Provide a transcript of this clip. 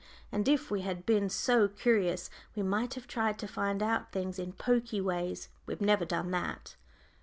And if we had been so curious we might have tried to find out things in pokey ways. We've never done that."